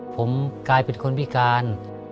ผมกลายเป็นคนพิการ